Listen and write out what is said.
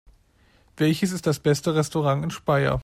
Welches ist das beste Restaurant in Speyer?